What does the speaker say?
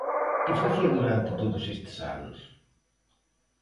¿Que facía durante todos estes anos?